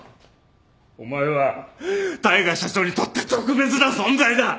お前は大海社長にとって特別な存在だ。